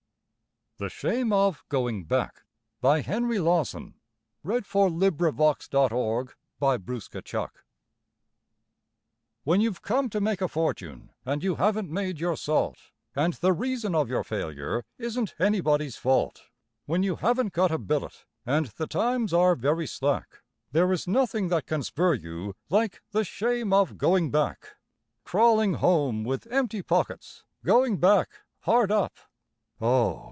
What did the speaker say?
ck to the handle in spite of the Finger of Death on his heart. The Shame of Going Back When you've come to make a fortune and you haven't made your salt, And the reason of your failure isn't anybody's fault When you haven't got a billet, and the times are very slack, There is nothing that can spur you like the shame of going back; Crawling home with empty pockets, Going back hard up; Oh!